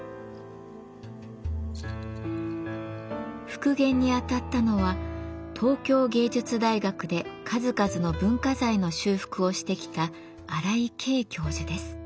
復元にあたったのは東京藝術大学で数々の文化財の修復をしてきた荒井経教授です。